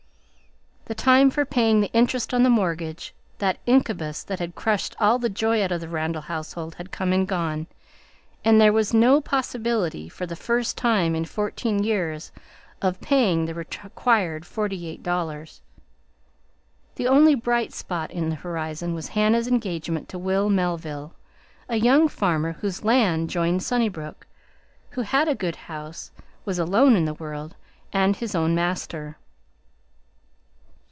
The time for paying the interest on the mortgage, that incubus that had crushed all the joy out of the Randall household, had come and gone, and there was no possibility, for the first time in fourteen years, of paying the required forty eight dollars. The only bright spot in the horizon was Hannah's engagement to Will Melville, a young farmer whose land joined Sunnybrook, who had a good house, was alone in the world, and his own master.